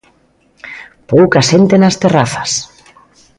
Pouca xente nas terrazas.